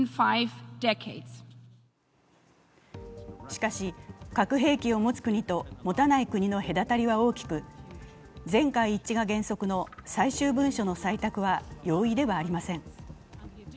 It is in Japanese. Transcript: しかし、核兵器を持つ国と持たない国の隔たりは大きく全会一致が原則の最終文書の採択は容易ではありません。